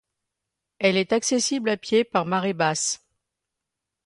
Elle est accessible à pied par marée basse.